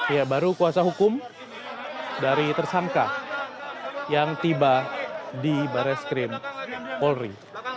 ya baru kuasa hukum dari tersangka yang tiba di bareskrim polri